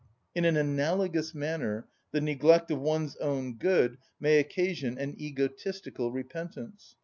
In an analogous manner, the neglect of one's own good may occasion an egotistical repentance.